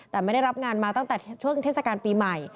แต่ไม่ได้รับงานมาตั้งแต่ช่วงเทศกาลปีใหม่